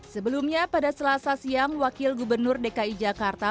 sebelumnya pada selasa siang wakil gubernur dki jakarta